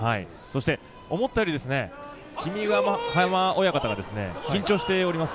思ったより君ヶ濱親方が緊張しております。